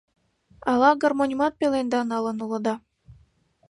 Ала гармоньымат пеленда налын улыда?